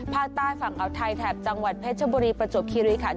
ภาคใต้ฝั่งอ่าวไทยแถบจังหวัดเพชรบุรีประจวบคิริขัน